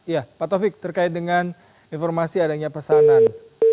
ya pak taufik terkait dengan informasi adanya pesanan